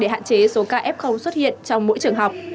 để hạn chế số ca f xuất hiện trong mỗi trường học